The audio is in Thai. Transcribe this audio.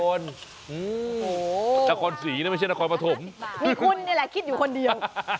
โอ้โหมีคุณนี่แหละคิดอยู่คนเดียว